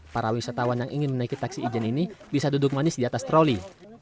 para wisatawan yang ingin menaiki taksi ijen ini bisa duduk manis di atas troli